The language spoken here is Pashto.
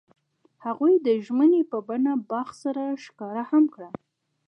هغوی د ژمنې په بڼه باغ سره ښکاره هم کړه.